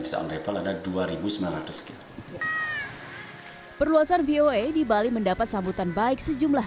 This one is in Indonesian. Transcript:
bisa on level ada dua ribu sembilan ratus sekian perluasan voa di bali mendapat sambutan baik sejumlah